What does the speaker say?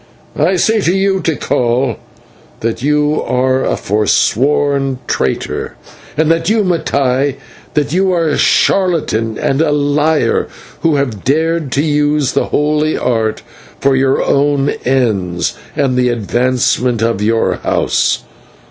I say to you, Tikal, that you are a foresworn traitor, and to you, Mattai, that you are a charlatan and a liar, who have dared to use the holy art for your own ends, and the advancement of your house.